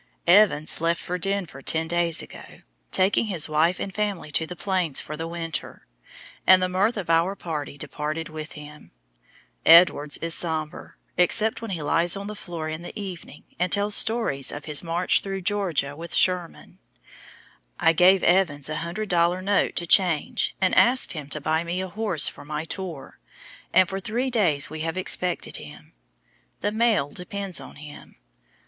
Evans left for Denver ten days ago, taking his wife and family to the Plains for the winter, and the mirth of our party departed with him. Edwards is somber, except when he lies on the floor in the evening, and tells stories of his march through Georgia with Sherman. I gave Evans a 100 dollar note to change, and asked him to buy me a horse for my tour, and for three days we have expected him. The mail depends on him.